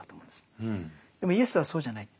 でもイエスはそうじゃない。